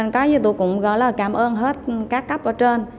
cái như tôi cũng gọi là cảm ơn hết các cấp ở trên